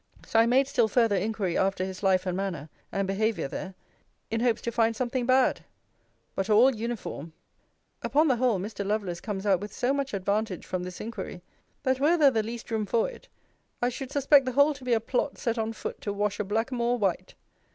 So I made still further inquiry after his life and manner, and behaviour there, in hopes to find something bad: but all uniform! Upon the whole, Mr. Lovelace comes out with so much advantage from this inquiry, that were there the least room for it, I should suspect the whole to be a plot set on foot to wash a blackamoor white.